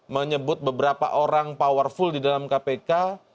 menyebut beberapa orang powerful di dalam kpk